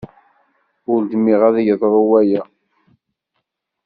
Ur dmiɣ ad yeḍru waya.